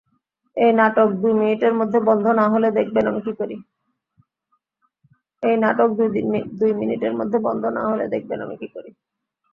এই নাটক দুই মিনিটের মধ্যে বন্ধ না হলে, দেখবেন আমি কি করি।